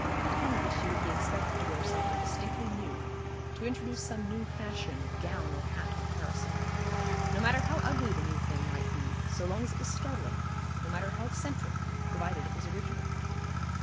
At Henley she would be expected to wear something distinctly new, to introduce some new fashion of gown or hat or parasol. No matter how ugly the new thing might be, so long as it was startling; no matter how eccentric, provided it was original.